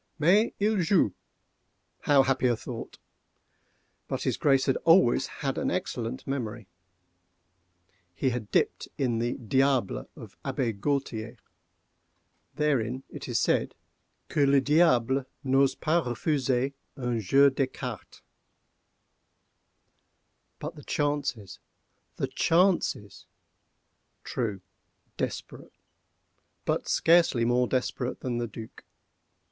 Mais il joue!—how happy a thought!—but his Grace had always an excellent memory. He had dipped in the "Diable" of Abbé Gualtier. Therein it is said "que le Diable n'ose pas refuser un jeu d'écarté." But the chances—the chances! True—desperate: but scarcely more desperate than the Duc.